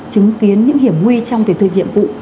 chứng kiến những hiểm nguy trong việc thực hiện nhiệm vụ